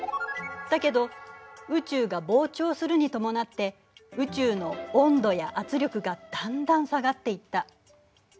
だけど宇宙が膨張するに伴って宇宙の温度や圧力がだんだん下がっていった。